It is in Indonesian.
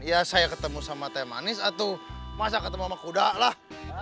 ya saya ketemu sama teh manis atau masa ketemu sama kuda lah